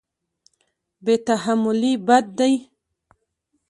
بې تحملي بد دی.